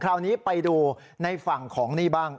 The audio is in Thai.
คราวนี้ไปดูในฝั่งของนี่บ้าง